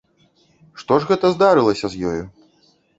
Што ж гэта здарылася з ёю?